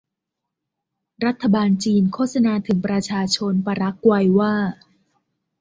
รัฐบาลจีนโฆษณาถึงประชาชนปารากวัยว่า